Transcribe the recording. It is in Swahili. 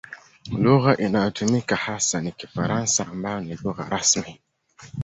Lugha inayotumika hasa ni Kifaransa ambayo ni lugha rasmi.